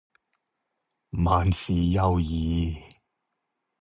萬事休矣